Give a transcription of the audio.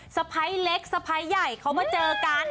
สะพ้ายเล็กสะพ้ายใหญ่เขามาเจอกัน